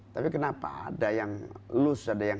tapi kenapa ada yang